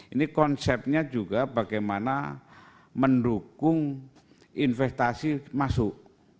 ini konsepnya juga bagaimana mendukung investasi masuk